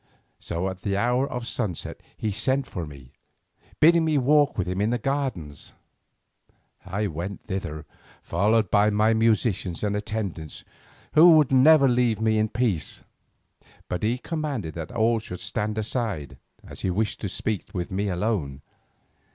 So at the hour of sunset he sent for me, bidding me walk with him in the gardens. I went thither, followed by my musicians and attendants, who would never leave me in peace, but he commanded that all should stand aside, as he wished to speak with me alone.